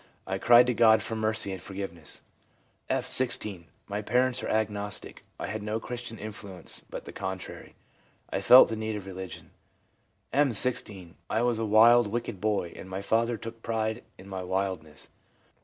I cried to God for mercy and forgiveness/ F., 16. ' My parents were agnostic. I had no Christian influence, but the contrary. I felt the need of religion/ M., 16. ' I was a wild, wicked boy, and my father took pride in my wildness.